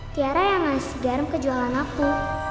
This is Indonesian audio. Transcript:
tiara yang ngasih garam ke jualan aku